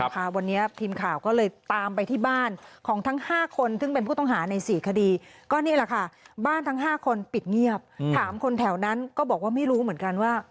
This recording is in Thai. ก็นี่แหละค่ะบ้านทั้ง๕คนปิดเงียบถามคนแถวนั้นก็บอกว่าไม่รู้เหมือนกันว่า